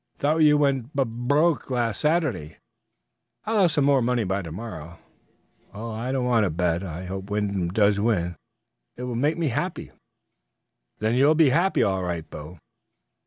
"Thought you went bub broke last Saturday." "I'll have some more money by to morrow." "Well, I don't want to bet. I hope Wyndham does win. It will make me happy." "Then you'll be happy, all right, Bo."